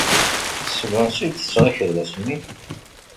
Seg wansi ay d-tesɣa akerbas-nni?